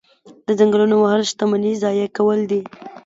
د ځنګلونو وهل شتمني ضایع کول دي.